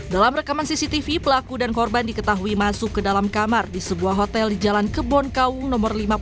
dalam rekaman cctv pelaku dan korban diketahui masuk ke dalam kamar di sebuah hotel di jalan kebon kaung no lima puluh